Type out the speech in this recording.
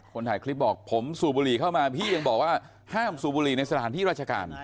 ถ่ายคลิปบอกผมสูบบุหรี่เข้ามาพี่ยังบอกว่าห้ามสูบบุหรี่ในสถานที่ราชการ